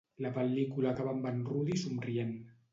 La pel·lícula acaba amb en Rudy somrient.